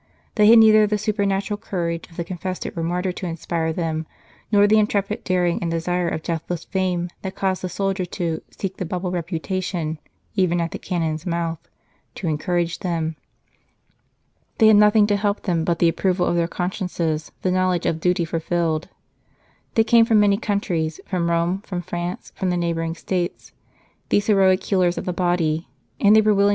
They had neither the supernatural courage of the con fessor or martyr to inspire them, nor the intrepid daring and desire of deathless fame that causes the soldier to "seek the bubble reputation even at the cannon s mouth," to encourage them. They had nothing to help them but the approval of their consciences, the knowledge of duty fulfilled. They came from many countries, from Rome, from France, from the neighbouring States, these heroic healers of the body ; and they were willing